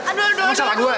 aduh aduh aduh